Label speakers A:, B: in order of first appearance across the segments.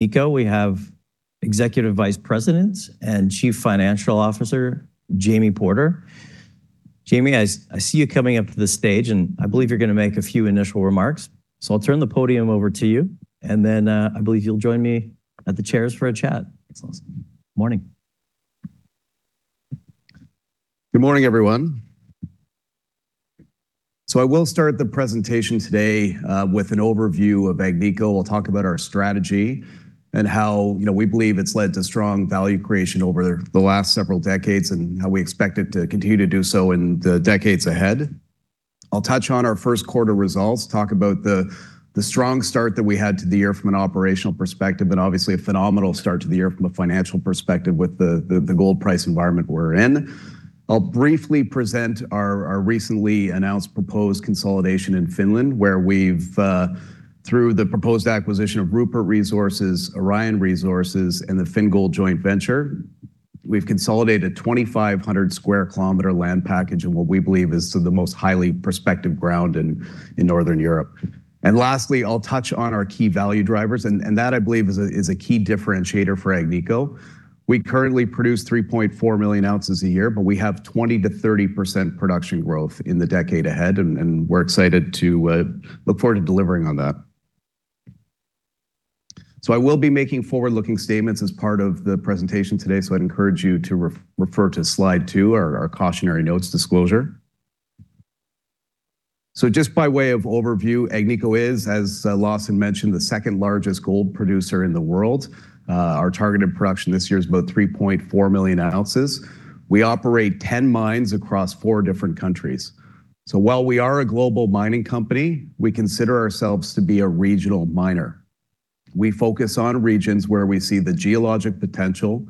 A: We have Executive Vice President and Chief Financial Officer, Jamie Porter. Jamie, I see you coming up to the stage, and I believe you're gonna make a few initial remarks. I'll turn the podium over to you, and then I believe you'll join me at the chairs for a chat.
B: Excellent.
A: Morning.
B: Good morning, everyone. I will start the presentation today with an overview of Agnico. We'll talk about our strategy and how, you know, we believe it's led to strong value creation over the last several decades, and how we expect it to continue to do so in the decades ahead. I'll touch on our first quarter results, talk about the strong start that we had to the year from an operational perspective, and obviously a phenomenal start to the year from a financial perspective with the gold price environment we're in. I'll briefly present our recently announced proposed consolidation in Finland, where we've through the proposed acquisition of Rupert Resources, Aurion Resources, and the Fingold Joint Venture, we've consolidated 2,500 sq km land package in what we believe is the most highly prospective ground in Northern Europe. Lastly, I'll touch on our key value drivers, and that I believe is a key differentiator for Agnico. We currently produce 3.4 million oz a year, but we have 20%-30% production growth in the decade ahead, and we're excited to look forward to delivering on that. I will be making forward-looking statements as part of the presentation today, so I'd encourage you to refer to slide two, our cautionary notes disclosure. Just by way of overview, Agnico is, as Lawson Winder mentioned, the second-largest gold producer in the world. Our targeted production this year is about 3.4 million oz. We operate 10 mines across four different countries. While we are a global mining company, we consider ourselves to be a regional miner. We focus on regions where we see the geologic potential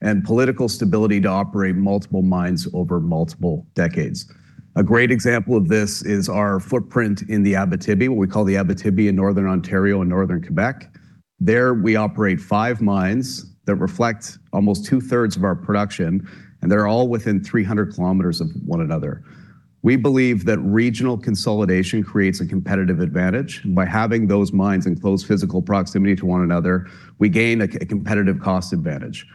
B: and political stability to operate multiple mines over multiple decades. A great example of this is our footprint in the Abitibi, what we call the Abitibi in Northern Ontario and Northern Quebec. There, we operate five mines that reflect almost 2/3 of our production, and they're all within 300 km of one another. We believe that regional consolidation creates a competitive advantage. By having those mines in close physical proximity to one another, we gain a competitive cost advantage.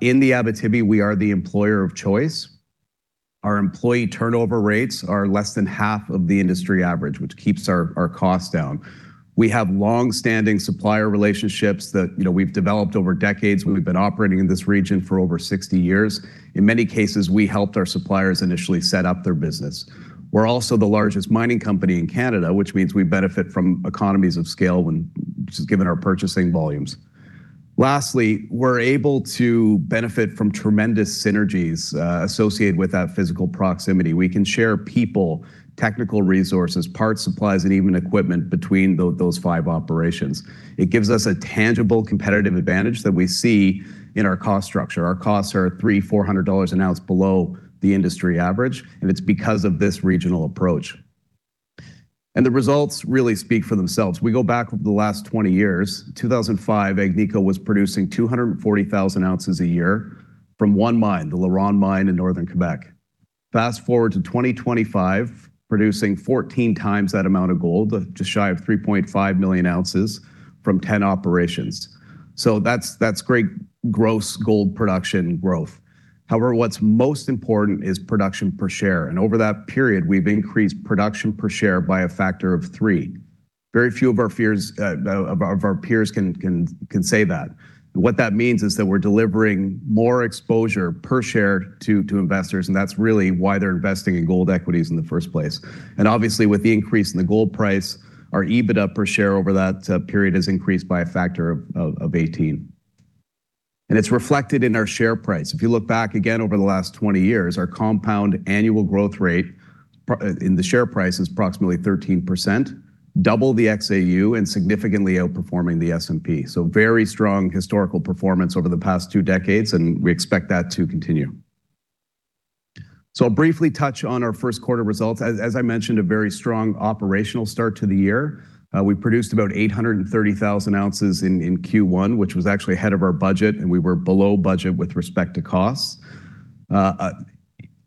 B: In the Abitibi, we are the employer of choice. Our employee turnover rates are less than half of the industry average, which keeps our costs down. We have long-standing supplier relationships that, you know, we've developed over decades. We've been operating in this region for over 60 years. In many cases, we helped our suppliers initially set up their business. We're also the largest mining company in Canada, which means we benefit from economies of scale just given our purchasing volumes. Lastly, we're able to benefit from tremendous synergies associated with that physical proximity. We can share people, technical resources, parts, supplies, and even equipment between those five operations. It gives us a tangible competitive advantage that we see in our cost structure. Our costs are 300-400 dollars an ounce below the industry average, it's because of this regional approach. The results really speak for themselves. We go back over the last 20 years. 2005, Agnico was producing 240,000 oz a year from one mine, the LaRonde mine in Northern Quebec. Fast-forward to 2025, producing 14x that amount of gold, just shy of 3.5 million oz from 10 operations. That's great gross gold production growth. However, what's most important is production per share, and over that period, we've increased production per share by a factor of three. Very few of our peers can say that. What that means is that we're delivering more exposure per share to investors, and that's really why they're investing in gold equities in the first place. Obviously, with the increase in the gold price, our EBITDA per share over that period has increased by a factor of 18. It's reflected in our share price. If you look back again over the last 20 years, our compound annual growth rate in the share price is approximately 13%, double the XAU and significantly outperforming the S&P. Very strong historical performance over the past two decades, and we expect that to continue. I'll briefly touch on our first quarter results. As I mentioned, a very strong operational start to the year. We produced about 830,000 oz in Q1, which was actually ahead of our budget, and we were below budget with respect to costs. A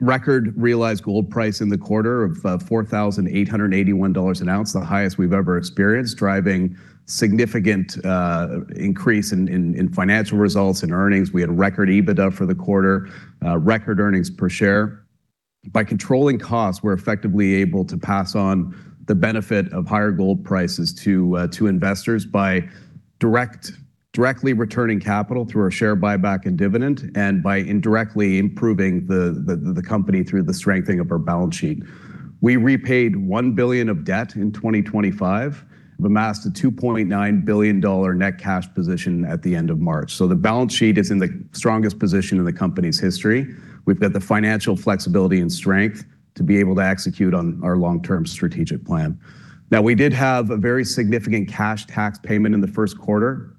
B: record realized gold price in the quarter of $4,881 an ounce, the highest we've ever experienced, driving significant increase in financial results and earnings. We had record EBITDA for the quarter, record earnings per share. By controlling costs, we're effectively able to pass on the benefit of higher gold prices to investors by directly returning capital through our share buyback and dividend, and by indirectly improving the company through the strengthening of our balance sheet. We repaid 1 billion of debt in 2025, amassed a 2.9 billion dollar net cash position at the end of March. The balance sheet is in the strongest position in the company's history. We've got the financial flexibility and strength to be able to execute on our long-term strategic plan. We did have a very significant cash tax payment in the first quarter,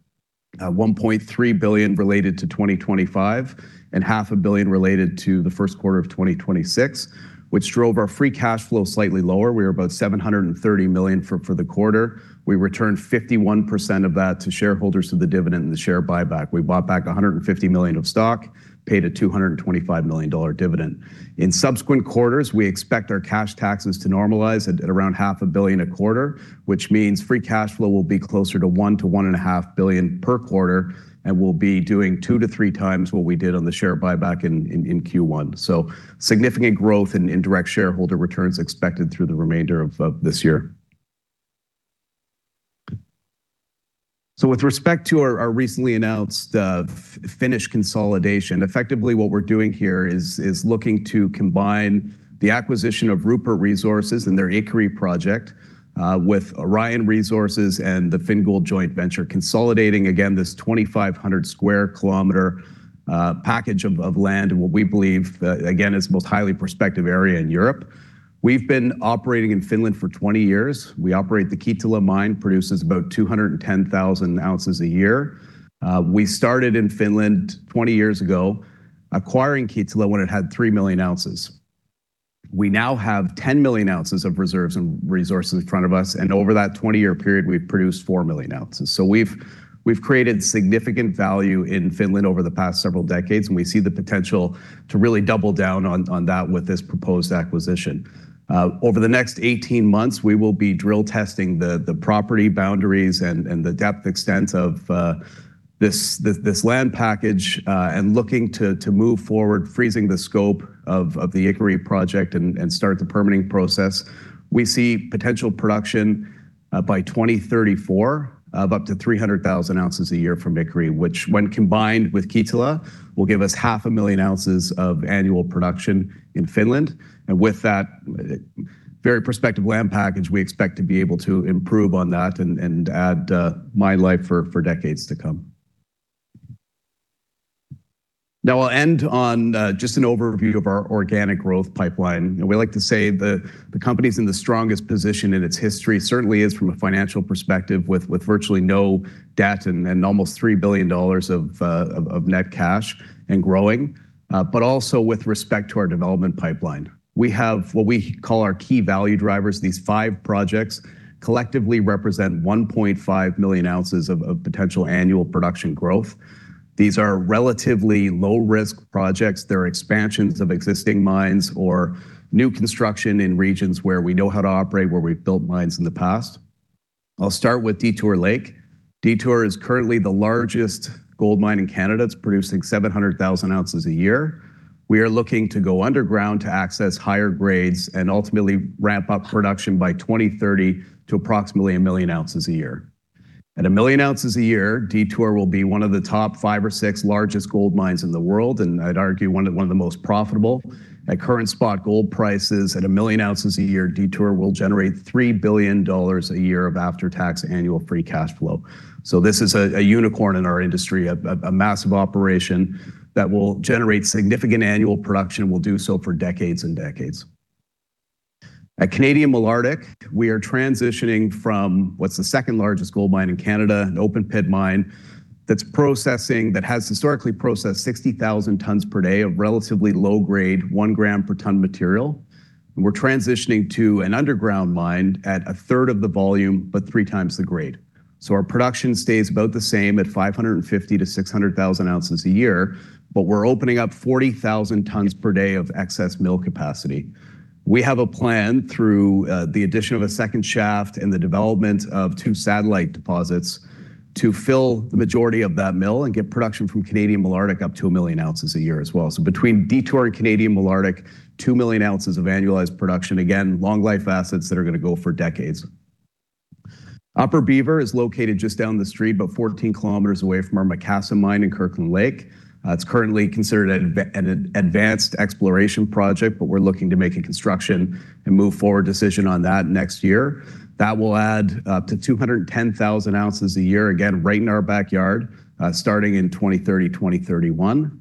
B: 1.3 billion related to 2025 and CAD 0.5 A billion related to the first quarter of 2026, which drove our free cash flow slightly lower. We were about 730 million for the quarter. We returned 51% of that to shareholders through the dividend and the share buyback. We bought back 150 million of stock, paid a 225 million dollar dividend. In subsequent quarters, we expect our cash taxes to normalize at around half a billion a quarter, which means free cash flow will be closer to 1 billion-1.5 billion per quarter, and we'll be doing 2x-3x what we did on the share buyback in Q1. Significant growth in indirect shareholder returns expected through the remainder of this year. With respect to our recently announced Finnish consolidation, effectively what we're doing here is looking to combine the acquisition of Rupert Resources and their Ikkari project with Aurion Resources and the Fingold Joint Venture, consolidating again this 2,500 sq km package of land in what we believe again is the most highly prospective area in Europe. We've been operating in Finland for 20 years. We operate the Kittilä mine, produces about 210,000 oz a year. We started in Finland 20 years ago, acquiring Kittilä when it had 3 million oz. We now have 10 million oz of reserves and resources in front of us, and over that 20-year period, we've produced 4 million oz. We've created significant value in Finland over the past several decades, and we see the potential to really double down on that with this proposed acquisition. Over the next 18 months, we will be drill testing the property boundaries and the depth extent of this land package and looking to move forward, freezing the scope of the Ikkari project and start the permitting process. We see potential production by 2034 of up to 300,000 oz a year from Ikkari, which when combined with Kittilä, will give us 500,000 oz of annual production in Finland. With that very prospective land package, we expect to be able to improve on that and add mine life for decades to come. Now I'll end on just an overview of our organic growth pipeline. We like to say the company's in the strongest position in its history, certainly is from a financial perspective with virtually no debt and almost 3 billion dollars of net cash and growing, but also with respect to our development pipeline. We have what we call our key value drivers. These five projects collectively represent 1.5 million oz of potential annual production growth. These are relatively low-risk projects. They're expansions of existing mines or new construction in regions where we know how to operate, where we've built mines in the past. I'll start with Detour Lake. Detour is currently the largest gold mine in Canada. It's producing 700,000 oz a year. We are looking to go underground to access higher grades and ultimately ramp up production by 2030 to approximately 1 million oz a year. At 1 million oz a year, Detour will be one of the top five or six largest gold mines in the world, and I'd argue one of the most profitable. At current spot gold prices at 1 million oz a year, Detour will generate 3 billion dollars a year of after-tax annual free cash flow. This is a unicorn in our industry, a massive operation that will generate significant annual production and will do so for decades and decades. At Canadian Malartic, we are transitioning from what's the second largest gold mine in Canada, an open pit mine that has historically processed 60,000 tons per day of relatively low grade, 1 g per ton material. We're transitioning to an underground mine at 1/3 of the volume, but 3x the grade. Our production stays about the same at 550,000 oz-600,000 oz a year, but we're opening up 40,000 tons per day of excess mill capacity. We have a plan through the addition of a second shaft and the development of two satellite deposits to fill the majority of that mill and get production from Canadian Malartic up to 1 million oz a year as well. Between Detour and Canadian Malartic, 2 million oz of annualized production. Again, long life assets that are gonna go for decades. Upper Beaver is located just down the street, about 14 km away from our Macassa mine in Kirkland Lake. It's currently considered an advanced exploration project, but we're looking to make a construction and move forward decision on that next year. That will add up to 210,000 oz a year, again, right in our backyard, starting in 2030, 2031.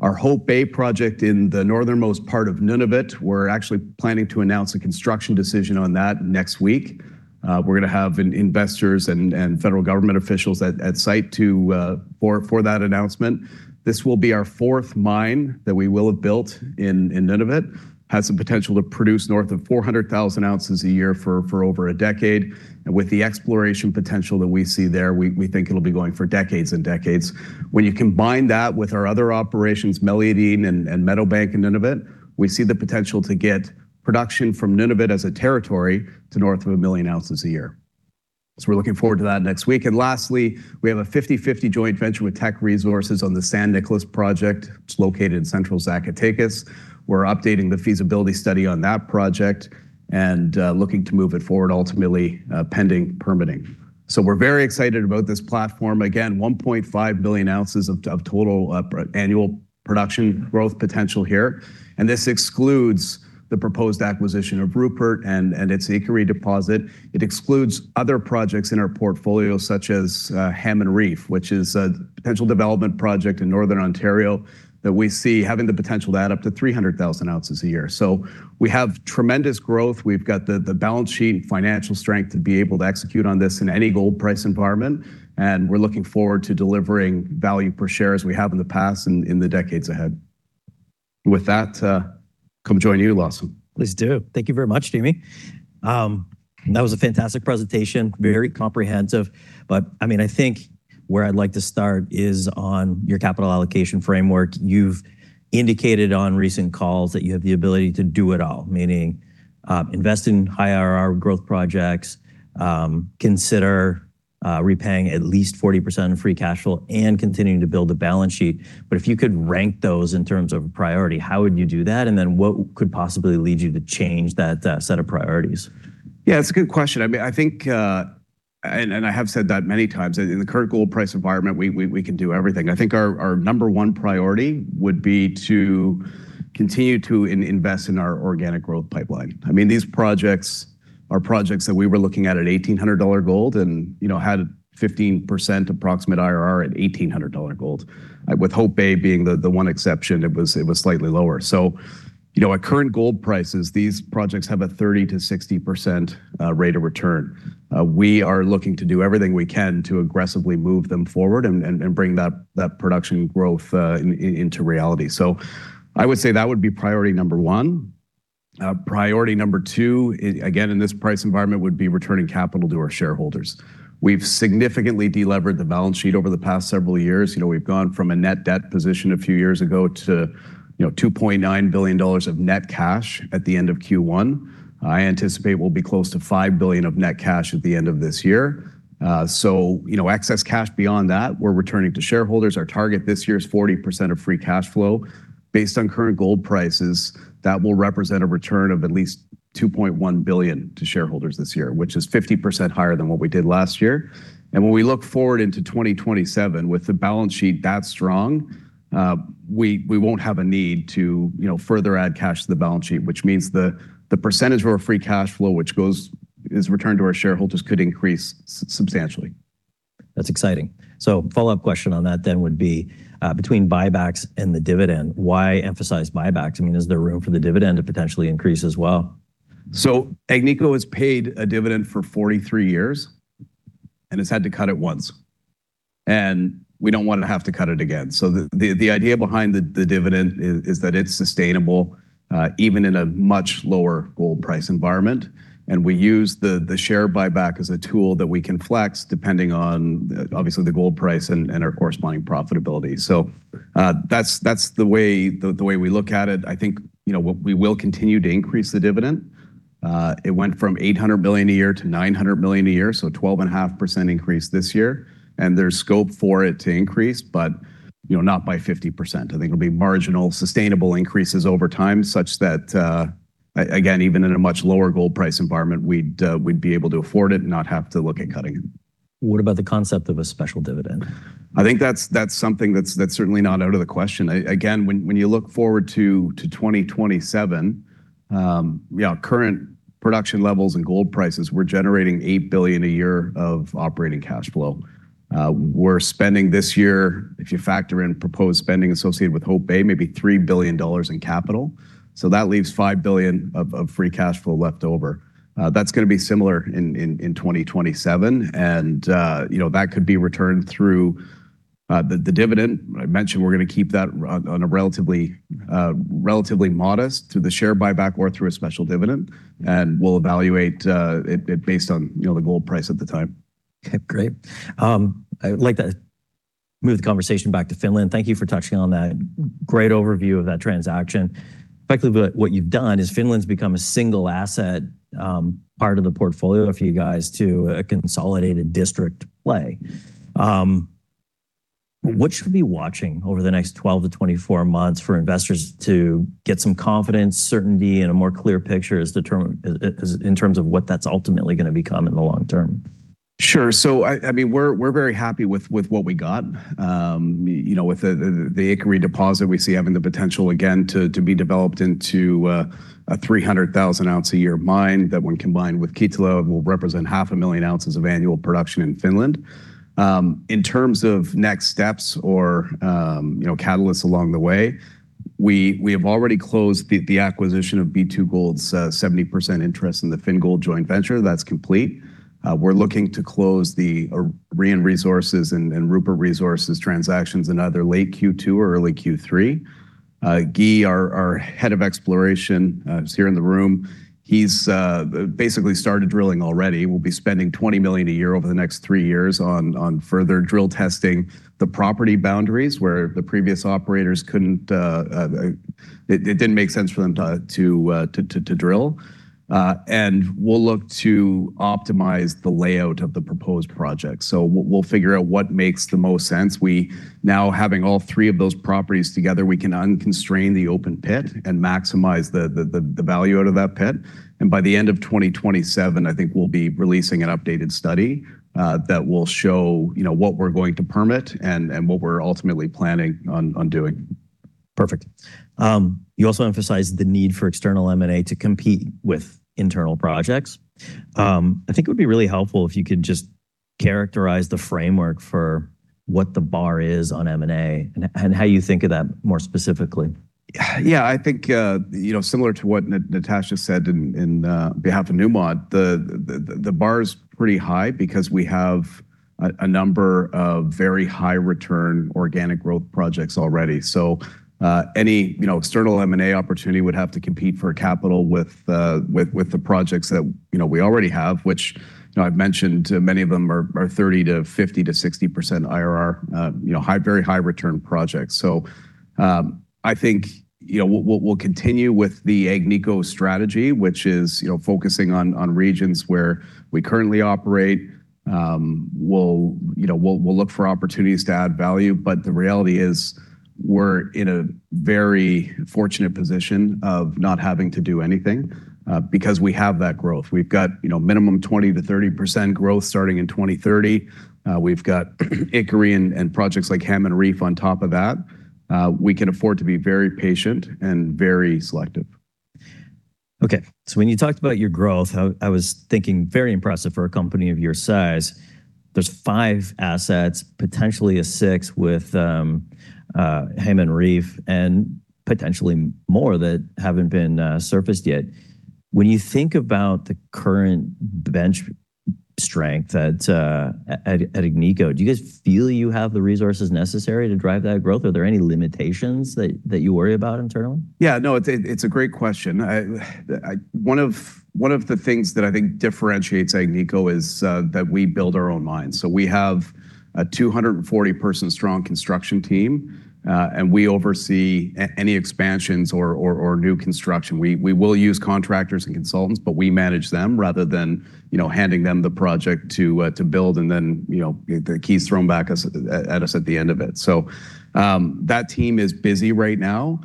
B: Our Hope Bay project in the northernmost part of Nunavut, we're actually planning to announce a construction decision on that next week. We're gonna have investors and federal government officials at site to for that announcement. This will be our fourth mine that we will have built in Nunavut. Has the potential to produce north of 400,000 oz a year for over a decade. With the exploration potential that we see there, we think it'll be going for decades and decades. When you combine that with our other operations, Meliadine and Meadowbank in Nunavut, we see the potential to get production from Nunavut as a territory to north of 1 million oz a year. We're looking forward to that next week. Lastly, we have a 50/50 joint venture with Teck Resources on the San Nicolas project. It's located in central Zacatecas. We're updating the feasibility study on that project and looking to move it forward ultimately, pending permitting. We're very excited about this platform. Again, 1.5 billion oz of total annual production growth potential here. This excludes the proposed acquisition of Rupert and its Ikkari deposit. It excludes other projects in our portfolio, such as Hammond Reef, which is a potential development project in Northern Ontario that we see having the potential to add up to 300,000 oz a year. We have tremendous growth. We've got the balance sheet and financial strength to be able to execute on this in any gold price environment, we're looking forward to delivering value per share as we have in the past and in the decades ahead. With that, come join you, Lawson.
A: Please do. Thank you very much, Jamie. That was a fantastic presentation, very comprehensive. But I mean, I think where I'd like to start is on your capital allocation framework. You've indicated on recent calls that you have the ability to do it all, meaning, invest in high IRR growth projects, consider repaying at least 40% of free cash flow and continuing to build a balance sheet. If you could rank those in terms of priority, how would you do that? What could possibly lead you to change that set of priorities?
B: Yeah, it's a good question. I mean, I think, and I have said that many times, in the current gold price environment, we can do everything. I think our number one priority would be to continue to invest in our organic growth pipeline. I mean, these projects are projects that we were looking at at $1,800 gold and, you know, had 15% approximate IRR at $1,800 gold. With Hope Bay being the one exception, it was slightly lower. You know, at current gold prices, these projects have a 30%-60% rate of return. We are looking to do everything we can to aggressively move them forward and bring that production growth into reality. I would say that would be priority number one. Priority number two, again, in this price environment, would be returning capital to our shareholders. We've significantly delevered the balance sheet over the past several years. You know, we've gone from a net debt position a few years ago to, you know, 2.9 billion dollars of net cash at the end of Q1. I anticipate we'll be close to 5 billion of net cash at the end of this year. You know, excess cash beyond that, we're returning to shareholders. Our target this year is 40% of free cash flow. Based on current gold prices, that will represent a return of at least 2.1 billion to shareholders this year, which is 50% higher than what we did last year. When we look forward into 2027, with the balance sheet that strong, we won't have a need to, you know, further add cash to the balance sheet, which means the percentage of our free cash flow which is returned to our shareholders could increase substantially.
A: That's exciting. Follow-up question on that would be, between buybacks and the dividend, why emphasize buybacks? I mean, is there room for the dividend to potentially increase as well?
B: Agnico has paid a dividend for 43 years, and it's had to cut it once, and we don't want to have to cut it again. The idea behind the dividend is that it's sustainable even in a much lower gold price environment, and we use the share buyback as a tool that we can flex depending on obviously the gold price and our corresponding profitability. That's the way we look at it. I think, you know, we will continue to increase the dividend. It went from 800 million a year to 900 million a year, so 12.5% increase this year, and there's scope for it to increase, but, you know, not by 50%. I think it'll be marginal, sustainable increases over time such that, again, even in a much lower gold price environment, we'd be able to afford it and not have to look at cutting it.
A: What about the concept of a special dividend?
B: I think that's something that's certainly not out of the question. Again, when you look forward to 2027, current production levels and gold prices, we're generating 8 billion a year of operating cash flow. We're spending this year, if you factor in proposed spending associated with Hope Bay, maybe 3 billion dollars in capital, so that leaves 5 billion of free cash flow left over. That's gonna be similar in 2027 and, you know, that could be returned through the dividend. I mentioned we're gonna keep that on a relatively modest through the share buyback or through a special dividend, and we'll evaluate it based on, you know, the gold price at the time.
A: Okay, great. I would like to move the conversation back to Finland. Thank you for touching on that. Great overview of that transaction. Effectively, what you've done is Finland's become a single asset, part of the portfolio for you guys to a consolidated district play. What should be watching over the next 12-24 months for investors to get some confidence, certainty, and a more clear picture in terms of what that's ultimately gonna become in the long term?
B: Sure. We're very happy with what we got. You know, with the Ikkari deposit, we see having the potential again to be developed into a 300,000-oz a year mine that when combined with Kittilä will represent 500,000 oz of annual production in Finland. In terms of next steps or, you know, catalysts along the way, we have already closed the acquisition of B2Gold's 70% interest in the Fingold Joint Venture. That's complete. We're looking to close the Aurion Resources and Rupert Resources transactions in either late Q2 or early Q3. Guy, our Head of Exploration, who's here in the room, he's basically started drilling already. We'll be spending 20 million a year over the next three years on further drill testing the property boundaries where the previous operators couldn't, it didn't make sense for them to drill. We'll look to optimize the layout of the proposed project. We'll figure out what makes the most sense. We now, having all three of those properties together, we can unconstrain the open pit and maximize the value out of that pit. By the end of 2027, I think we'll be releasing an updated study that will show, you know, what we're going to permit and what we're ultimately planning on doing.
A: Perfect. You also emphasized the need for external M&A to compete with internal projects. I think it would be really helpful if you could just characterize the framework for what the bar is on M&A and how you think of that more specifically.
B: Yeah, I think, you know, similar to what Natascha said in behalf of Newmont, the bar is pretty high because we have a number of very high return organic growth projects already. Any, you know, external M&A opportunity would have to compete for capital with the projects that, you know, we already have, which, you know, I've mentioned many of them are 30%, 50%-60% IRR, you know, high, very high return projects. I think, you know, we'll continue with the Agnico strategy, which is, you know, focusing on regions where we currently operate. We'll, you know, look for opportunities to add value, but the reality is, we're in a very fortunate position of not having to do anything because we have that growth. We've got, you know, minimum 20%-30% growth starting in 2030. We've got Ikkari and projects like Hammond Reef on top of that. We can afford to be very patient and very selective.
A: Okay. When you talked about your growth, I was thinking very impressive for a company of your size. There's five assets, potentially a sixth with Hammond Reef, and potentially more that haven't been surfaced yet. When you think about the current bench strength at Agnico, do you guys feel you have the resources necessary to drive that growth? Are there any limitations that you worry about internally?
B: No, it's a great question. One of the things that I think differentiates Agnico is that we build our own mines. We have a 240 person strong construction team, and we oversee any expansions or new construction. We will use contractors and consultants, but we manage them rather than, you know, handing them the project to build and then, you know, the keys thrown back at us at the end of it. That team is busy right now,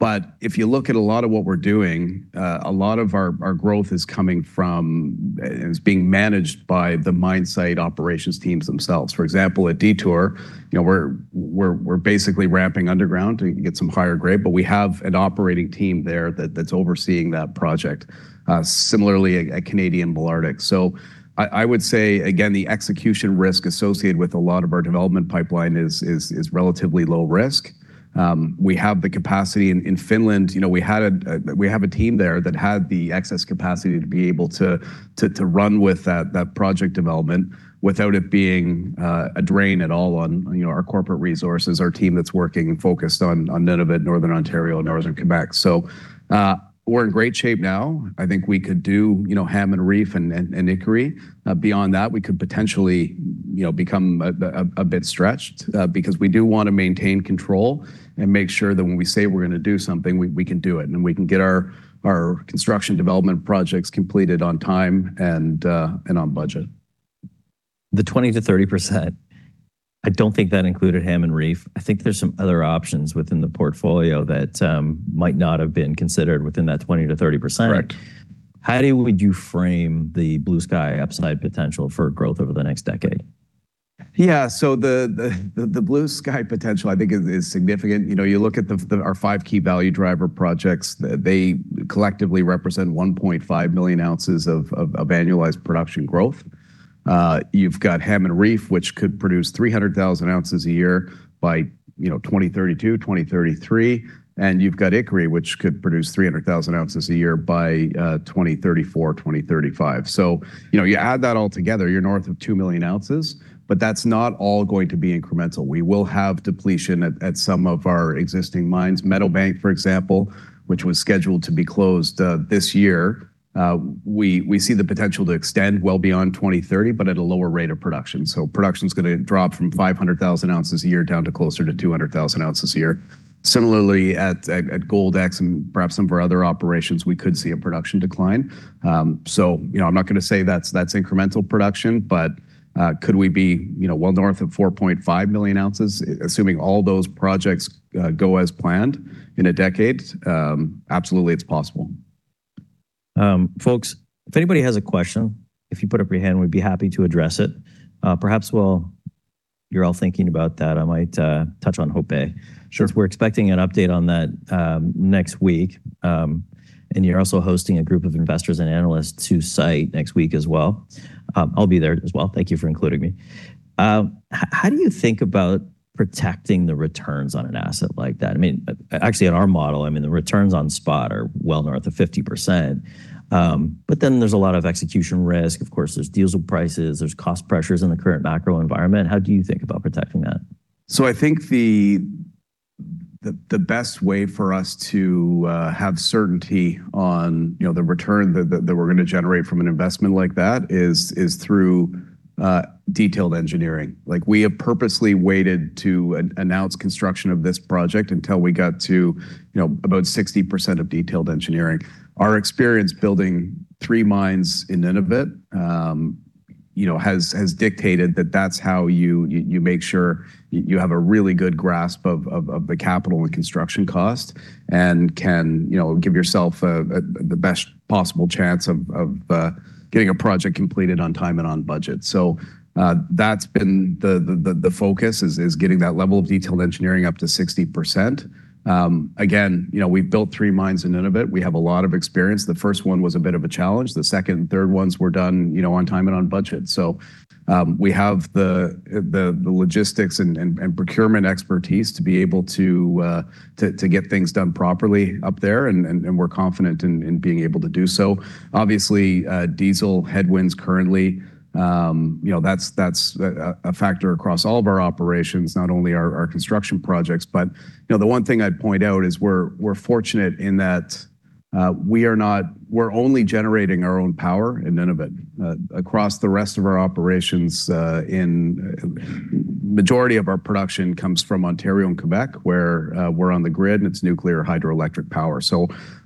B: but if you look at a lot of what we're doing, a lot of our growth is coming from, is being managed by the mine site operations teams themselves. For example, at Detour, you know, we're basically ramping underground to get some higher grade, but we have an operating team there that's overseeing that project. Similarly at Canadian Malartic. I would say, again, the execution risk associated with a lot of our development pipeline is relatively low risk. We have the capacity in Finland. You know, we had a, we have a team there that had the excess capacity to be able to run with that project development without it being a drain at all on, you know, our corporate resources, our team that's working and focused on Nunavut, Northern Ontario, and Northern Quebec. We're in great shape now. I think we could do, you know, Hammond Reef and Ikkari. Beyond that, we could potentially, you know, become a bit stretched because we do wanna maintain control and make sure that when we say we're gonna do something, we can do it, and we can get our construction development projects completed on time and on budget.
A: The 20%-30%, I don't think that included Hammond Reef. I think there's some other options within the portfolio that might not have been considered within that 20%-30%.
B: Correct.
A: How would you frame the blue-sky upside potential for growth over the next decade?
B: The blue-sky potential, I think is significant. You know, you look at our five key value driver projects. They collectively represent 1.5 million oz of annualized production growth. You've got Hammond Reef, which could produce 300,000 oz a year by, you know, 2032-2033, and you've got Ikkari, which could produce 300,000 oz a year by 2034-2035. You know, you add that all together, you're north of 2 million oz, but that's not all going to be incremental. We will have depletion at some of our existing mines. Meadowbank, for example, which was scheduled to be closed this year, we see the potential to extend well beyond 2030, but at a lower rate of production. Production's gonna drop from 500,000 oz a year down to closer to 200,000 oz a year. Similarly, at Goldex and perhaps some of our other operations, we could see a production decline. You know, I'm not gonna say that's incremental production, but could we be, you know, well north of 4.5 million oz, assuming all those projects go as planned in a decade? Absolutely, it's possible.
A: Folks, if anybody has a question, if you put up your hand, we'd be happy to address it. Perhaps while you're all thinking about that, I might touch on Hope Bay.
B: Sure.
A: We're expecting an update on that, next week, and you're also hosting a group of investors and analysts to site next week as well. I'll be there as well. Thank you for including me. How do you think about protecting the returns on an asset like that? I mean, actually in our model, I mean, the returns on spot are well north of 50%. There's a lot of execution risk. Of course, there's deals with prices. There's cost pressures in the current macro environment. How do you think about protecting that?
B: I think the best way for us to have certainty on, you know, the return that we're gonna generate from an investment like that is through detailed engineering. We have purposely waited to announce construction of this project until we got to, you know, about 60% of detailed engineering. Our experience building three mines in Nunavut, you know, has dictated that that's how you make sure you have a really good grasp of the capital and construction cost and can, you know, give yourself a the best possible chance of getting a project completed on time and on budget. That's been the focus is getting that level of detailed engineering up to 60%. Again, you know, we've built three mines in Nunavut. We have a lot of experience. The first one was a bit of a challenge. The second and third ones were done, you know, on time and on budget. We have the logistics and procurement expertise to be able to get things done properly up there, and we're confident in being able to do so. Obviously, diesel headwinds currently, you know, that's a factor across all of our operations, not only our construction projects. You know, the one thing I'd point out is we're fortunate in that we're only generating our own power in Nunavut. Across the rest of our operations, in majority of our production comes from Ontario and Quebec, where we're on the grid, and it's nuclear hydroelectric power.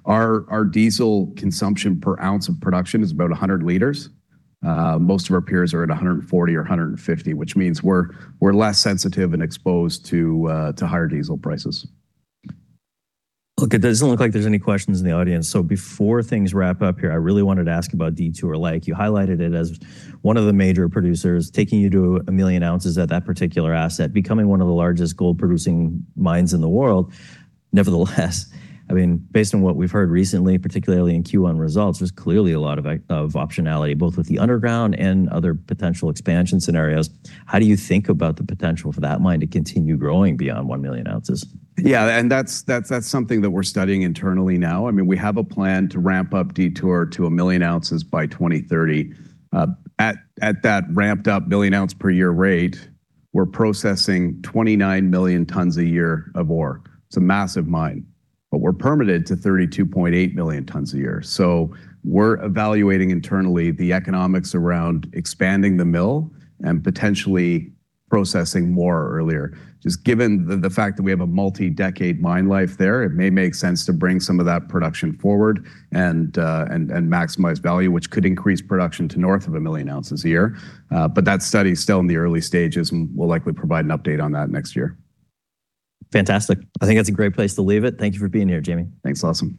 B: Our diesel consumption per ounce of production is about 100 L. Most of our peers are at 140 L or 150 L, which means we're less sensitive and exposed to higher diesel prices.
A: Look, it doesn't look like there's any questions in the audience. Before things wrap up here, I really wanted to ask about Detour Lake. You highlighted it as one of the major producers taking you to 1 million oz at that particular asset, becoming one of the largest gold-producing mines in the world. Nevertheless, I mean, based on what we've heard recently, particularly in Q1 results, there's clearly a lot of optionality, both with the underground and other potential expansion scenarios, how do you think about the potential for that mine to continue growing beyond 1 million oz?
B: That's something that we're studying internally now. I mean, we have a plan to ramp up Detour to 1 million oz by 2030. At that ramped up 1 million oz per year rate, we're processing 29 million tons a year of ore. It's a massive mine, but we're permitted to 32.8 million tons a year. We're evaluating internally the economics around expanding the mill and potentially processing more earlier. Just given the fact that we have a multi-decade mine life there, it may make sense to bring some of that production forward and maximize value, which could increase production to north of 1 million oz a year. That study is still in the early stages, and we'll likely provide an update on that next year.
A: Fantastic. I think that's a great place to leave it. Thank you for being here, Jamie.
B: Thanks, Lawson.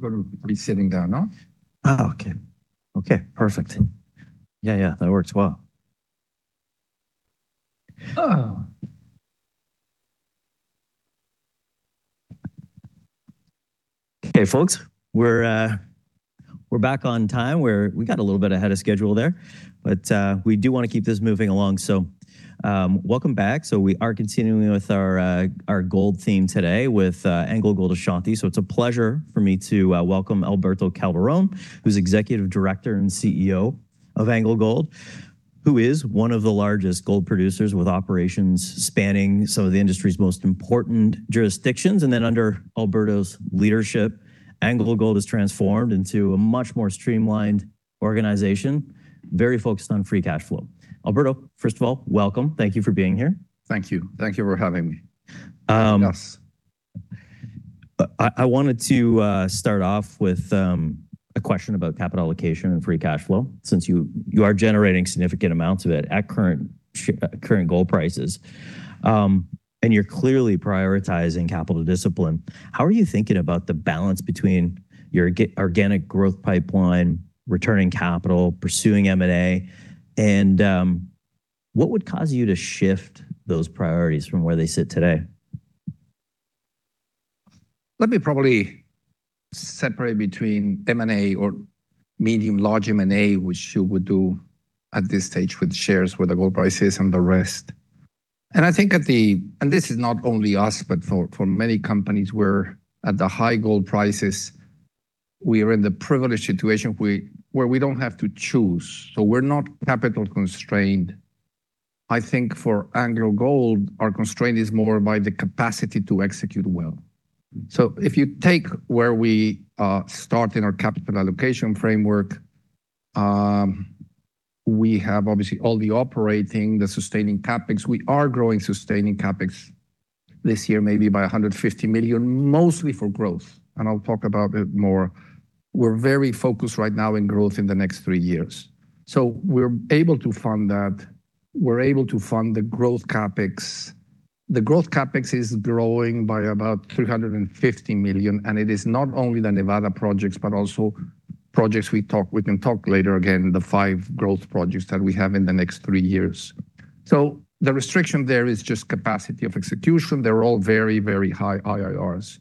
C: We're gonna be sitting down now.
A: Oh, okay. Okay, perfect. Yeah, yeah, that works well.
C: Oh.
A: Okay, folks, we're back on time. We got a little bit ahead of schedule there, we do wanna keep this moving along. Welcome back. We are continuing with our gold theme today with AngloGold Ashanti. It's a pleasure for me to welcome Alberto Calderon, who's Executive Director and CEO of AngloGold, who is one of the largest gold producers with operations spanning some of the industry's most important jurisdictions. Under Alberto's leadership, AngloGold has transformed into a much more streamlined organization, very focused on free cash flow. Alberto, first of all, welcome. Thank you for being here.
C: Thank you. Thank you for having me. Thank you for having us.
A: I wanted to start off with a question about capital allocation and free cash flow, since you are generating significant amounts of it at current gold prices. You're clearly prioritizing capital discipline. How are you thinking about the balance between your organic growth pipeline, returning capital, pursuing M&A? What would cause you to shift those priorities from where they sit today?
C: Let me probably separate between M&A or medium, large M&A, which you would do at this stage with shares, where the gold price is and the rest. I think this is not only us, but for many companies, we're at the high gold prices, we are in the privileged situation where we don't have to choose. We're not capital constrained. I think for AngloGold, our constraint is more by the capacity to execute well. If you take where we start in our capital allocation framework, we have obviously all the operating, the sustaining CapEx. We are growing sustaining CapEx this year, maybe by 150 million, mostly for growth. I'll talk about it more. We're very focused right now in growth in the next three years. We're able to fund that. We are able to fund the growth CapEx. The growth CapEx is growing by about 350 million, and it is not only the Nevada projects, but also projects we can talk later again, the five growth projects that we have in the next three years. The restriction there is just capacity of execution. They are all very, very high IRRs.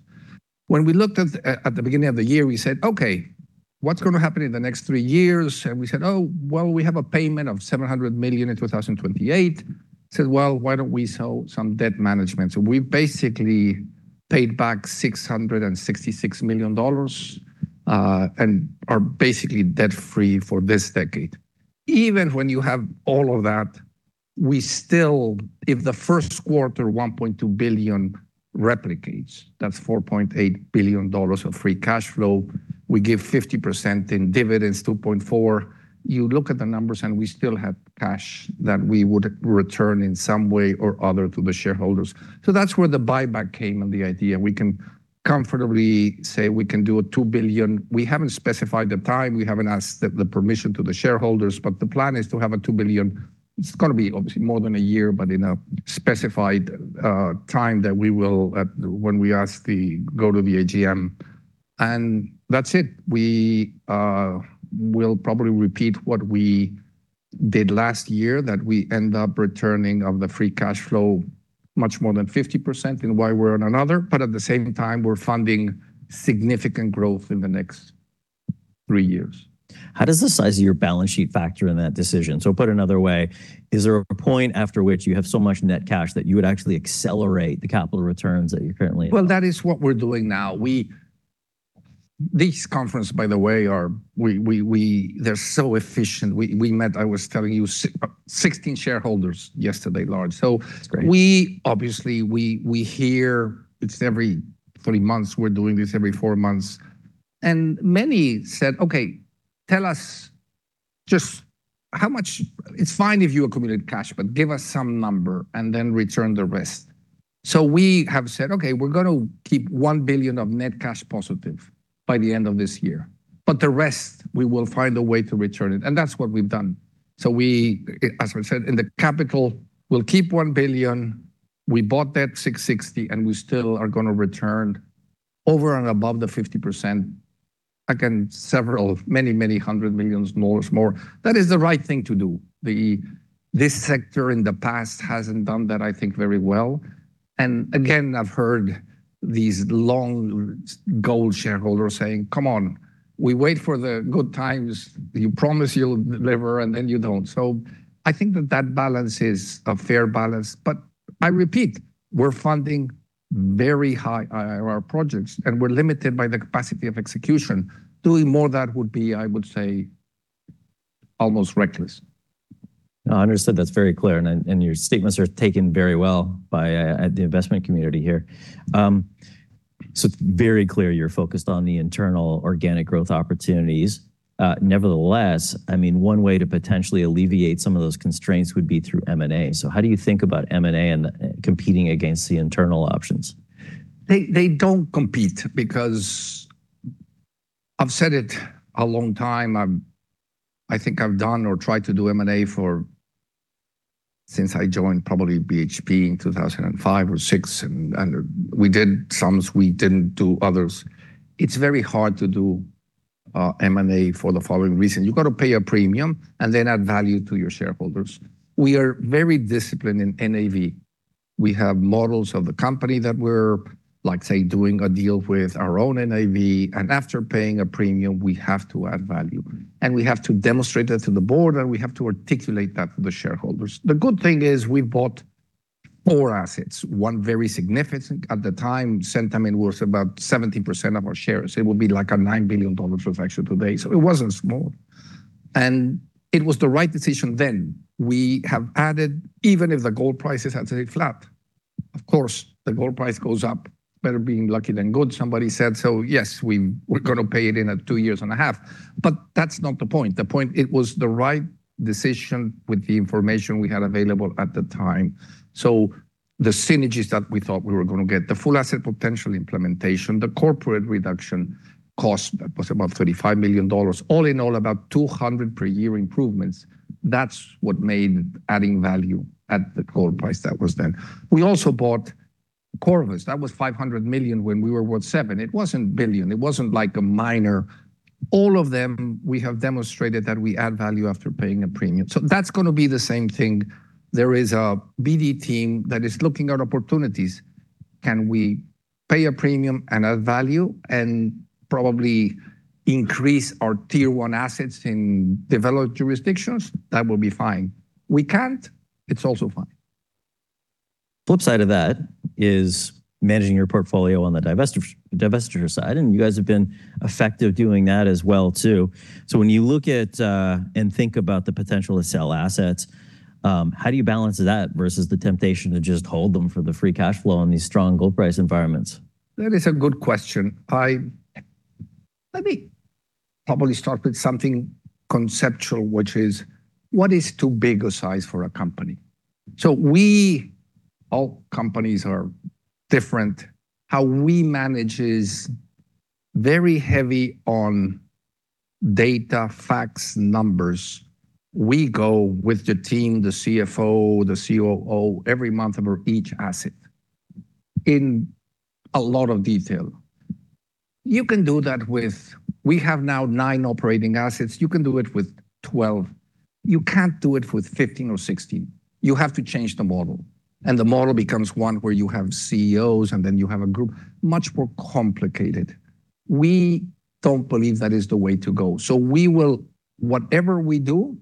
C: When we looked at at the beginning of the year, we said, "Okay, what's gonna happen in the next three years?" We said, "Oh, well, we have a payment of 700 million in 2028." We said, "Well, why don't we sell some debt management?" We basically paid back 666 million dollars, and are basically debt-free for this decade. Even when you have all of that, we still, if the first quarter 1.2 billion replicates, that's 4.8 billion dollars of free cash flow, we give 50% in dividends, 2.4 billion. You look at the numbers, we still have cash that we would return in some way or other to the shareholders. That's where the buyback came and the idea. We can comfortably say we can do a 2 billion. We haven't specified the time. We haven't asked the permission to the shareholders. The plan is to have a 2 billion It's gonna be obviously more than a year, but in a specified time that we will, when we ask the go to the AGM. That's it. We will probably repeat what we did last year, that we end up returning of the free cash flow much more than 50% in one way or in another. At the same time, we're funding significant growth in the next three years.
A: How does the size of your balance sheet factor in that decision? Put another way, is there a point after which you have so much net cash that you would actually accelerate the capital returns that you're currently.
C: Well, that is what we're doing now. These conference, by the way, they're so efficient. We met, I was telling you, 16 shareholders yesterday, large.
A: That's great.
C: We, obviously, we hear it's every three months, we're doing this every four months. Many said, "Okay, tell us just how much It's fine if you accumulate cash, but give us some number and then return the rest." We have said, "Okay, we're gonna keep 1 billion of net cash positive by the end of this year, but the rest we will find a way to return it." That's what we've done. We, as I said, in the capital, we'll keep 1 billion. We bought that 660, and we still are gonna return over and above the 50%. Again, several, many 100 millions dollars more. That is the right thing to do. This sector in the past hasn't done that, I think, very well. Again, I've heard these long gold shareholders saying, "Come on, we wait for the good times. You promise you'll deliver, and then you don't." I think that that balance is a fair balance. I repeat, we're funding very high IRR projects, and we're limited by the capacity of execution. Doing more of that would be, I would say, almost reckless.
A: No, understood. That's very clear. Your statements are taken very well by at the investment community here. It's very clear you're focused on the internal organic growth opportunities. Nevertheless, I mean, one way to potentially alleviate some of those constraints would be through M&A. How do you think about M&A and competing against the internal options?
C: They don't compete because I've said it a long time. I think I've done or tried to do M&A for since I joined probably BHP in 2005 or 2006. We did some, we didn't do others. It's very hard to do M&A for the following reason. You got to pay a premium and then add value to your shareholders. We are very disciplined in NAV. We have models of the company that we're, like, say, doing a deal with our own NAV. After paying a premium, we have to add value. We have to demonstrate that to the board. We have to articulate that to the shareholders. The good thing is we bought four assets. One very significant at the time, Centamin was about 70% of our shares. It would be like a 9 billion dollar transaction today. It wasn't small. It was the right decision then. We have added, even if the gold prices had stayed flat. Of course, the gold price goes up. Better being lucky than good, somebody said. Yes, we're gonna pay it in at 2.5 years. That's not the point. The point, it was the right decision with the information we had available at the time. The synergies that we thought we were gonna get, the Full Asset Potential implementation, the corporate reduction cost that was about 35 million dollars, all in all, about 200 per year improvements. That's what made adding value at the gold price that was then. We also bought Corvus. That was 500 million when we were worth 7 million. It wasn't billion. It wasn't like a minor. All of them, we have demonstrated that we add value after paying a premium. That's gonna be the same thing. There is a BD team that is looking at opportunities. Can we pay a premium and add value and probably increase our Tier 1 assets in developed jurisdictions? That will be fine. We can't, it's also fine.
A: Flip side of that is managing your portfolio on the divestiture side, and you guys have been effective doing that as well too. When you look at and think about the potential to sell assets, how do you balance that versus the temptation to just hold them for the free cash flow in these strong gold price environments?
C: That is a good question. Let me probably start with something conceptual, which is what is too big a size for a company? All companies are different. How we manage is very heavy on data, facts, numbers. We go with the team, the CFO, the COO every month over each asset in a lot of detail. We have now nine operating assets. You can do it with 12 million. You can't do it with 15 million or 16 million. You have to change the model, the model becomes one where you have CEOs, then you have a group. Much more complicated. We don't believe that is the way to go. Whatever we do,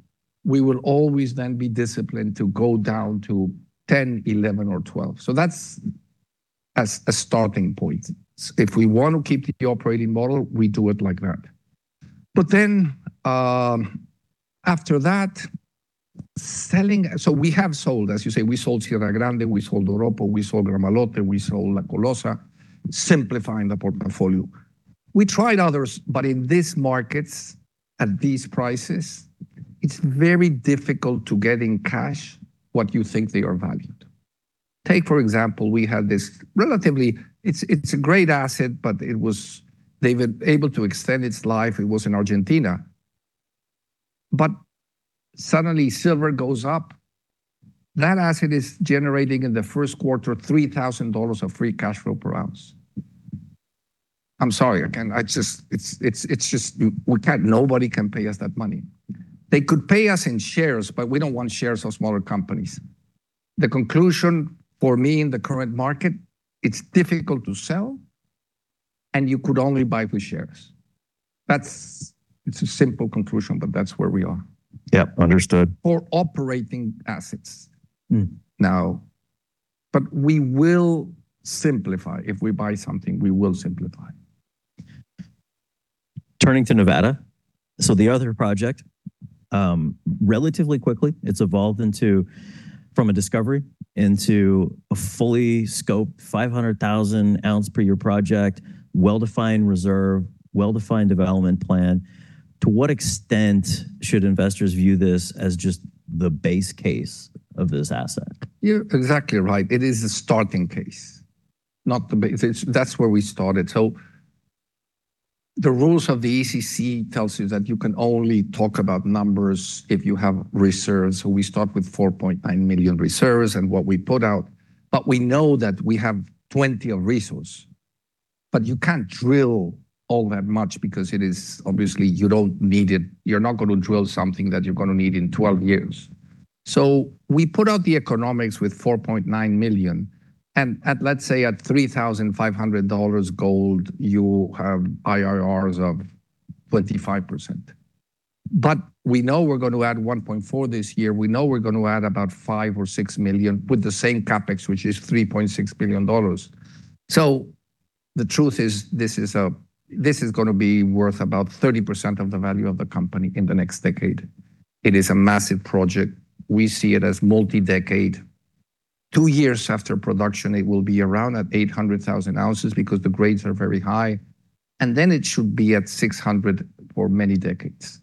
C: we will always then be disciplined to go down to 10 million, 11 million, or 12 million. That's as a starting point. If we want to keep the operating model, we do it like that. After that, selling we have sold, as you say, we sold Cerro Vanguardia, we sold Oropesa, we sold Gramalote, we sold La Colosa, simplifying the portfolio. We tried others, in these markets, at these prices, it's very difficult to get in cash what you think they are valued. Take, for example, we had this It's a great asset. They were able to extend its life. It was in Argentina. Suddenly silver goes up. That asset is generating in the first quarter $3,000 of free cash flow per ounce. I'm sorry, again, It's just we can't, nobody can pay us that money. They could pay us in shares, we don't want shares of smaller companies. The conclusion for me in the current market, it's difficult to sell, and you could only buy with shares. It's a simple conclusion, but that's where we are.
A: Yep, understood.
C: For operating assets now. We will simplify. If we buy something, we will simplify.
A: Turning to Nevada. The other project, relatively quickly, it's evolved from a discovery into a fully scoped 500,000-oz per year project, well-defined reserve, well-defined development plan. To what extent should investors view this as just the base case of this asset?
C: You're exactly right. It is a starting case, not the base. That's where we started. The rules of the ECC tells you that you can only talk about numbers if you have reserves. We start with 4.9 million reserves and what we put out. We know that we have 20 of resource. You can't drill all that much because it is obviously you don't need it. You're not gonna drill something that you're gonna need in 12 years. We put out the economics with 4.9 million. At, let's say, at 3,500 dollars gold, you have IRRs of 25%. We know we're gonna add 1.4 million this year. We know we're gonna add about 5 million or 6 million with the same CapEx, which is 3.6 billion dollars. The truth is, this is going to be worth about 30% of the value of the company in the next decade. It is a massive project. We see it as multi-decade. Two years after production, it will be around at 800,000 oz because the grades are very high. It should be at 600,000 oz for many decades.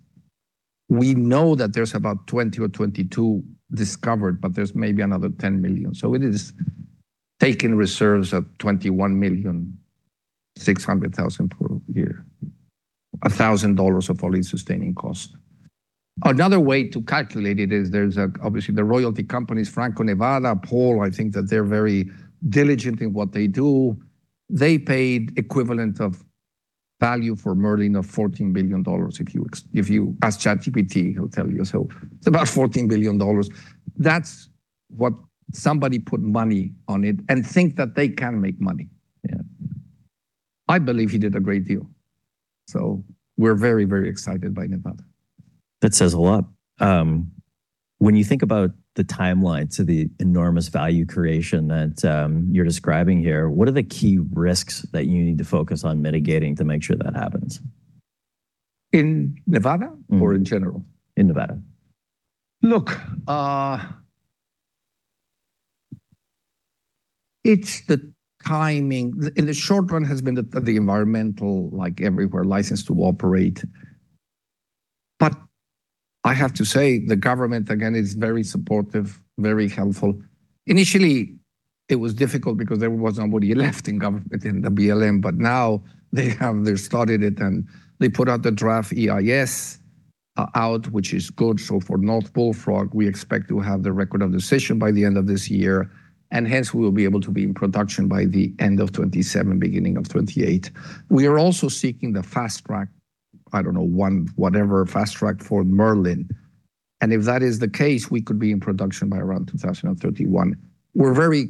C: We know that there's about 20 million oz or 22 million oz discovered, but there's maybe another 10 million oz. It is taking reserves of 21 million oz, 600,000 oz per year. 1,000 dollars of all-in sustaining cost. Another way to calculate it is there's obviously the royalty companies, Franco-Nevada, Paul, I think that they're very diligent in what they do. They paid equivalent of value for Merlin of 14 billion dollars. If you ask ChatGPT, it'll tell you. It's about 14 billion dollars. That's what somebody put money on it and think that they can make money.
A: Yeah.
C: I believe he did a great deal. We're very, very excited by Nevada.
A: That says a lot. When you think about the timeline to the enormous value creation that you're describing here, what are the key risks that you need to focus on mitigating to make sure that happens?
C: In Nevada. In general?
A: In Nevada.
C: Look, it's the timing. In the short run, it has been the environmental, like everywhere, license to operate. I have to say, the government, again, is very supportive, very helpful. Initially, it was difficult because there was nobody left in government in the BLM. Now they started it, they put out the draft EIS out, which is good. For North Bullfrog, we expect to have the record of decision by the end of this year. Hence, we will be able to be in production by the end of 2027, beginning of 2028. We are also seeking the fast track, I don't know, one, whatever, fast track for Merlin. If that is the case, we could be in production by around 2031. What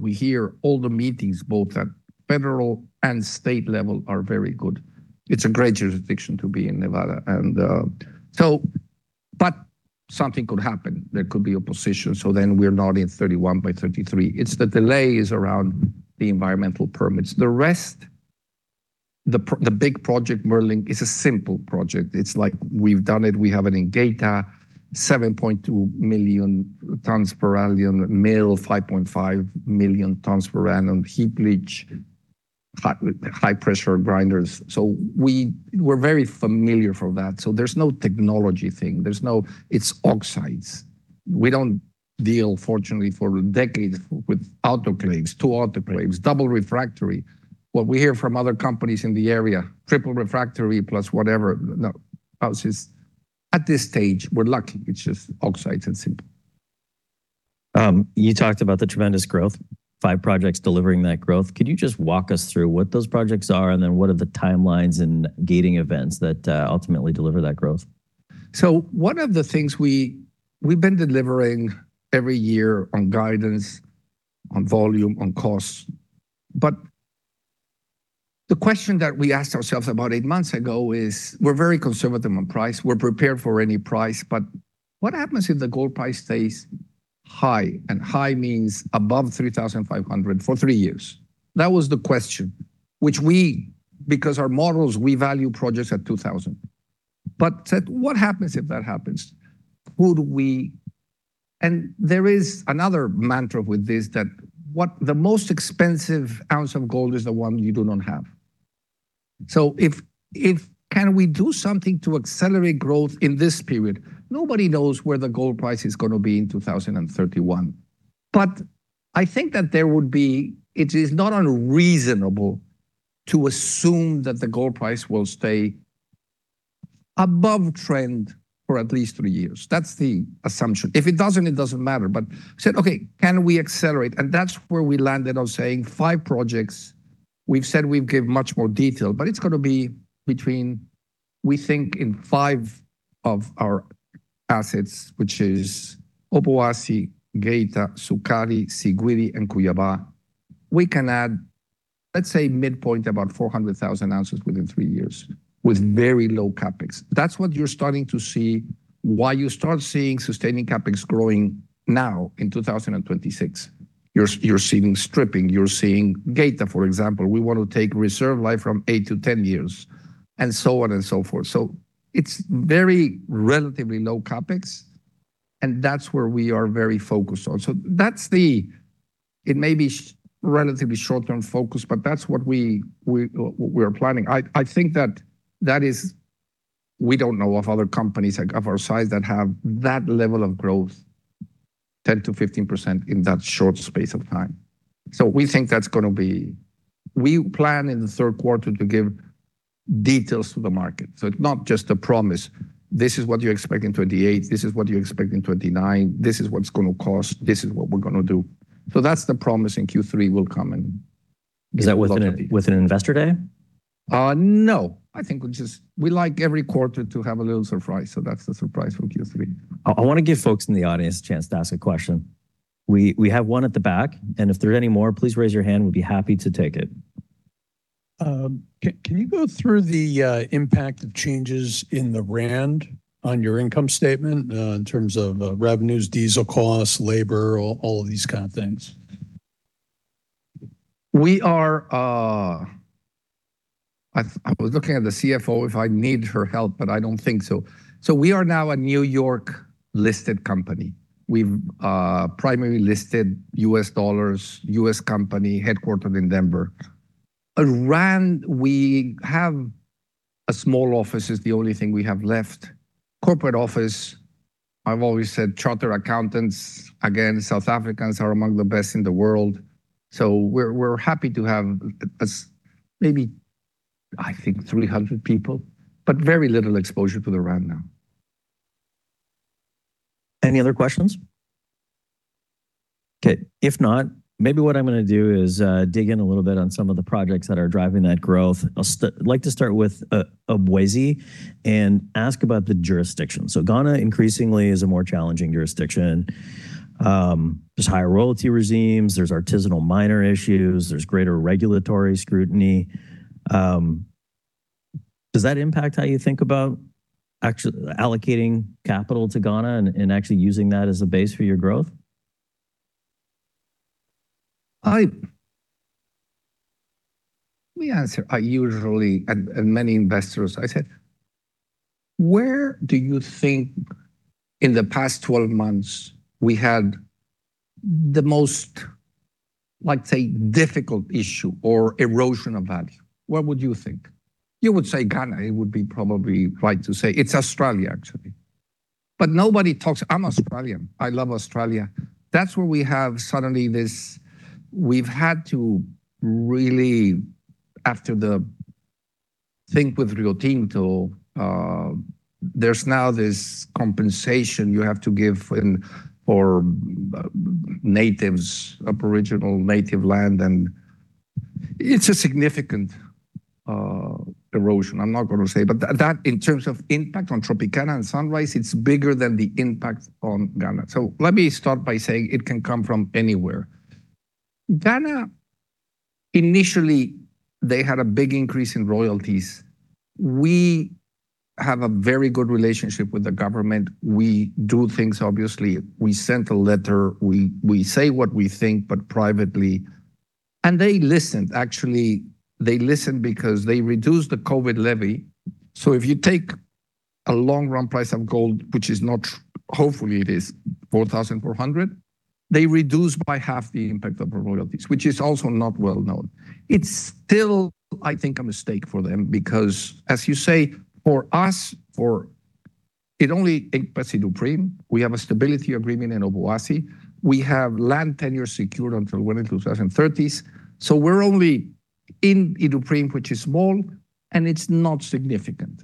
C: we hear, all the meetings, both at federal and state level are very good. It's a great jurisdiction to be in Nevada. Something could happen. There could be opposition, we're not in 31 by 33. It's the delays around the environmental permits. The rest, the big project, Merlin, is a simple project. It's like we've done it, we have it in data, 7.2 million tons per annum, mill 5.5 million tons per annum, heap leach, high pressure grinders. We're very familiar for that. There's no technology thing. It's oxides. We don't deal, fortunately, for decades with autoclaves, two autoclaves, double refractory. What we hear from other companies in the area, triple refractory plus whatever. No. Ours is, at this stage, we're lucky. It's just oxides and simple.
A: You talked about the tremendous growth, five projects delivering that growth. Could you just walk us through what those projects are, and then what are the timelines and gating events that ultimately deliver that growth?
C: One of the things we've been delivering every year on guidance, on volume, on costs. The question that we asked ourselves about eight months ago is, we're very conservative on price. We're prepared for any price. What happens if the gold price stays high? High means above $3,500 for three years. That was the question, which we, because our models, we value projects at $2,000. Said, what happens if that happens? Could we? There is another mantra with this that the most expensive ounce of gold is the one you do not have. Can we do something to accelerate growth in this period? Nobody knows where the gold price is gonna be in 2031. It is not unreasonable to assume that the gold price will stay above trend for at least three years. That's the assumption. If it doesn't, it doesn't matter. We said, "Okay, can we accelerate?" That's where we landed on saying five projects. We've said we'd give much more detail, but it's gonna be between, we think, in five of our assets, which is Obuasi, Geita, Sukari, Siguiri, and Cuiabá. We can add, let's say, midpoint about 400,000 oz within three years with very low CapEx. That's what you're starting to see. Why you start seeing sustaining CapEx growing now in 2026. You're seeing stripping, you're seeing Geita, for example. We want to take reserve life from 8-10 years, and so on and so forth. It's very relatively low CapEx, and that's where we are very focused on. That's the It may be relatively short-term focus, but that's what we are planning. I think that that is We don't know of other companies like, of our size that have that level of growth, 10%-15% in that short space of time. We think that's gonna be We plan in the third quarter to give details to the market. It's not just a promise. This is what you expect in 2028. This is what you expect in 2029. This is what it's gonna cost. This is what we're gonna do. That's the promise in Q3 will come.
A: Is that within Investor Day?
C: No. I think we just like every quarter to have a little surprise, that's the surprise for Q3.
A: I wanna give folks in the audience a chance to ask a question. We have one at the back, and if there are any more, please raise your hand. We'd be happy to take it.
D: Can you go through the impact of changes in the rand on your income statement in terms of revenues, diesel costs, labor, all of these kind of things?
C: We are, I was looking at the CFO if I need her help, but I don't think so. We are now a New York-listed company. We've primarily listed U.S. dollars, U.S. company, headquartered in Denver. rand, we have a small office is the only thing we have left. Corporate office, I've always said chartered accountants, again, South Africans are among the best in the world. We're happy to have maybe, I think, 300 people, but very little exposure to the rand now.
A: Any other questions? Okay, if not, maybe what I'm gonna do is dig in a little bit on some of the projects that are driving that growth. I'd like to start with Obuasi and ask about the jurisdiction. Ghana increasingly is a more challenging jurisdiction. There's higher royalty regimes, there's artisanal miner issues, there's greater regulatory scrutiny. Does that impact how you think about allocating capital to Ghana and actually using that as a base for your growth?
C: Let me answer. Usually, at many investors, I said, "Where do you think in the past 12 months we had the most, let's say, difficult issue or erosion of value?" Where would you think? You would say Ghana, it would be probably right to say. It's Australia, actually. Nobody talks. I'm Australian. I love Australia. That's where we have suddenly this. We've had to really, after the thing with Rio Tinto, there's now this compensation you have to give in for natives, aboriginal native land, and it's a significant erosion. I'm not going to say. That, in terms of impact on Tropicana and Sunrise, it's bigger than the impact on Ghana. Let me start by saying it can come from anywhere. Ghana, initially, they had a big increase in royalties. We have a very good relationship with the government. We do things, obviously. We sent a letter, we say what we think, but privately. They listened. Actually, they listened because they reduced the COVID Levy. If you take a long run price of gold, which is not, hopefully it is 4,400, they reduced by half the impact of the royalties, which is also not well known. It's still, I think, a mistake for them because, as you say, for us, it only impacts Iduapriem. We have a stability agreement in Obuasi. We have land tenure secured until we're in 2030s. We're only in Iduapriem, which is small, and it's not significant.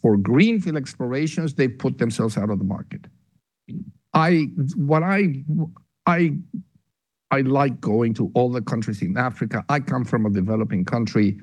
C: For greenfield explorations, they put themselves out of the market. What I like going to all the countries in Africa. I come from a developing country.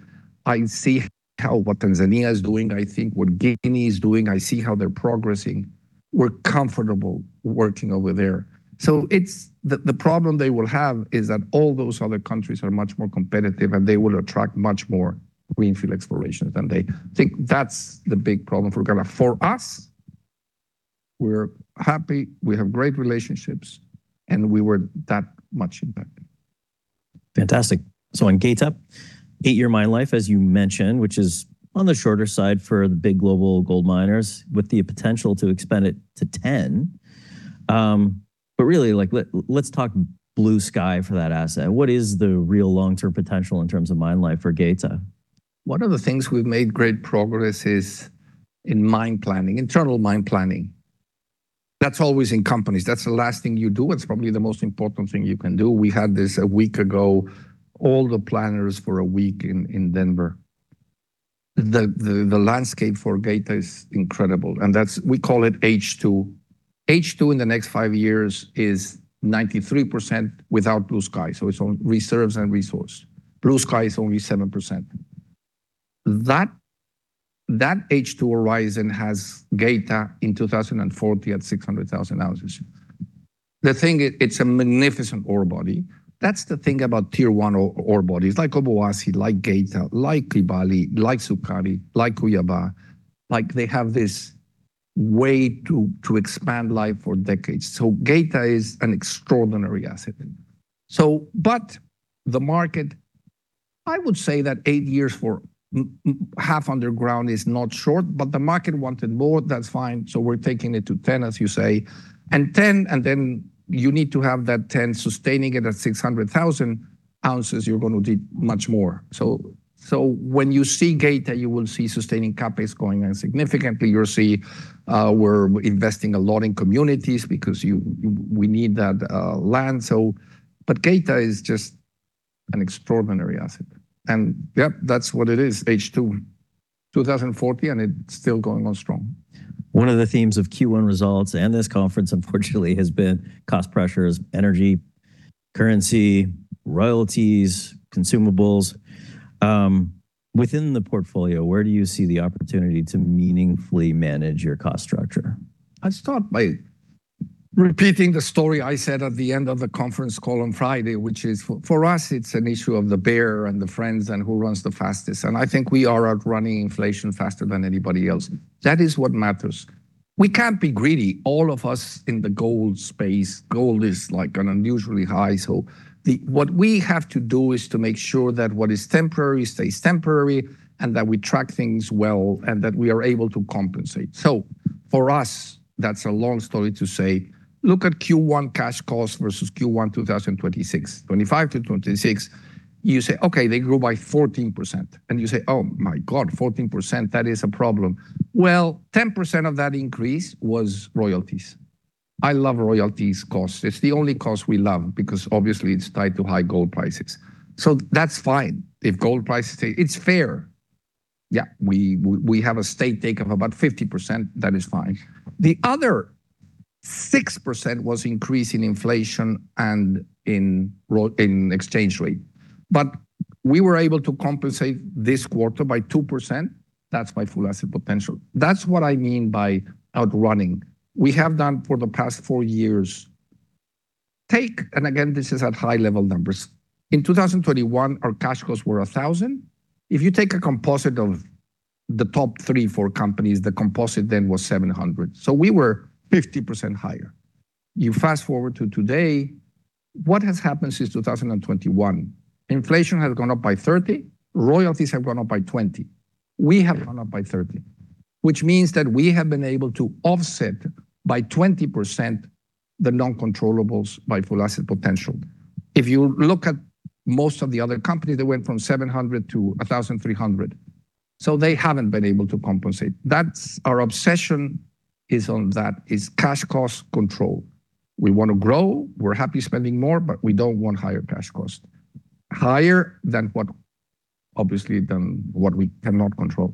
C: I see how, what Tanzania is doing. I think what Guinea is doing. I see how they're progressing. We're comfortable working over there. The problem they will have is that all those other countries are much more competitive, and they will attract much more greenfield explorations than they. I think that's the big problem for Ghana. For us, we're happy. We have great relationships, and we were that much impacted.
A: Fantastic. On Geita, eight-year mine life, as you mentioned, which is on the shorter side for the big global gold miners, with the potential to expand it to 10. really, like, let's talk blue sky for that asset. What is the real long-term potential in terms of mine life for Geita?
C: One of the things we've made great progress is in mine planning, internal mine planning. That's always in companies. That's the last thing you do. It's probably the most important thing you can do. We had this a week ago, all the planners for a week in Denver. The landscape for Geita is incredible. We call it H2. H2 in the next five years is 93% without blue sky, so it's on reserves and resource. Blue sky is only 7%. That H2 horizon has Geita in 2040 at 600,000 oz. The thing, it's a magnificent ore body. That's the thing about Tier 1 ore bodies, like Obuasi, like Geita, like Kibali, like Sukari, like Cuiabá. Like, they have this way to expand life for decades. Geita is an extraordinary asset. The market, I would say that eight years for half underground is not short, the market wanted more. That's fine. We're taking it to 10, as you say. 10, you need to have that 10 sustaining it at 600,000 oz, you're gonna need much more. When you see Geita, you will see sustaining CapEx going on significantly. You'll see, we're investing a lot in communities because you, we need that land. Geita is just an extraordinary asset. Yep, that's what it is, H2. 2040, it's still going on strong.
A: One of the themes of Q1 results and this conference, unfortunately, has been cost pressures, energy, currency, royalties, consumables. Within the portfolio, where do you see the opportunity to meaningfully manage your cost structure?
C: I start by repeating the story I said at the end of the conference call on Friday, which is for us, it's an issue of the bear and the friends and who runs the fastest, I think we are outrunning inflation faster than anybody else. That is what matters. We can't be greedy. All of us in the gold space, gold is, like, unusually high. What we have to do is to make sure that what is temporary stays temporary, that we track things well, and that we are able to compensate. For us, that's a long story to say, look at Q1 cash costs versus Q1 2026. 2025 to 2026, you say, "Okay, they grew by 14%." You say, "Oh, my God, 14%, that is a problem." 10% of that increase was royalties. I love royalties costs. It's the only cost we love because obviously it's tied to high gold prices. That's fine. If gold prices stay, it's fair. Yeah, we have a state take of about 50%. That is fine. The other 6% was increase in inflation and in exchange rate. We were able to compensate this quarter by 2%. That's my Full Asset Potential. That's what I mean by outrunning. We have done for the past four years. Take. Again, this is at high level numbers. In 2021, our cash costs were 1,000. If you take a composite of the top three, four companies, the composite then was 700. We were 50% higher. You fast-forward to today, what has happened since 2021? Inflation has gone up by 30%, royalties have gone up by 20%. We have gone up by 30%, which means that we have been able to offset by 20% the non-controllables by Full Asset Potential. If you look at most of the other companies, they went from 700 to 1,300. They haven't been able to compensate. That's our obsession is on that, is cash cost control. We wanna grow, we're happy spending more, but we don't want higher cash cost, higher than what, obviously, than what we cannot control.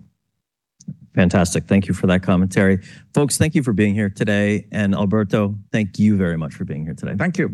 A: Fantastic. Thank you for that commentary. Folks, thank you for being here today, and Alberto, thank you very much for being here today.
C: Thank you.